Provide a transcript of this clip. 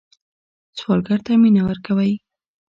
سوالګر ته مینه ورکوئ